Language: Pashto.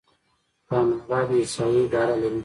کاناډا د احصایې اداره لري.